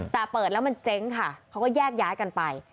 แต่เปิดแล้วมันเจ๊งค่ะเขาก็แยกย้ายกันไป